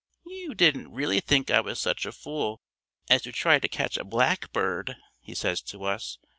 "You didn't really think I was such a fool as to try to catch a blackbird?" he says to us.